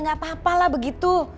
gapapa lah begitu